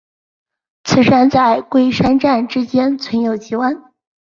此站与桂山站之间存有急弯。